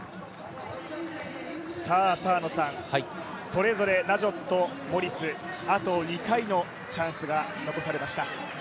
それぞれ、ナジョットモリスあと２回のチャンスが残されました。